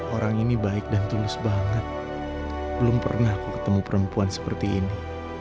orang ini baik dan tulus banget belum pernah aku ketemu perempuan seperti ini